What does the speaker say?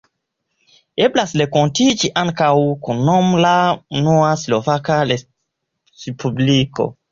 Eblas renkontiĝi ankaŭ kun nomo La unua Slovaka Respubliko.